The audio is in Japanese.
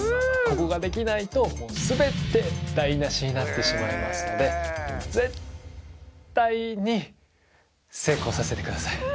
ここができないと全て台無しになってしまいますので絶対に成功させてください